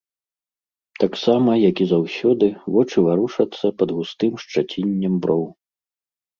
Таксама, як і заўсёды, вочы варушацца пад густым шчаціннем броў.